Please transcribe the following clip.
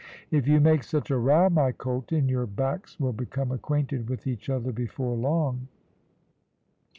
"If you make such a row, my colt and your backs will become acquainted with each other before long."